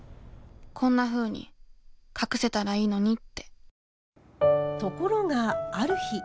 こんなふうに隠せたらいいのにってところがある日。